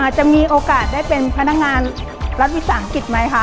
จะมีโอกาสได้เป็นพนักงานรัฐวิสาหกิจไหมคะ